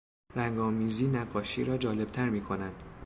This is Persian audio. رنگآمیزی نقاشی را جالبتر میکند.